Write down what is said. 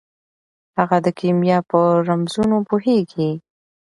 هغه د کیمیا په رمزونو پوهیږي.